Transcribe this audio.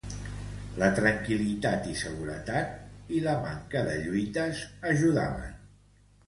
La tranquil·litat i seguretat, i la manca de lluites, ajudaven.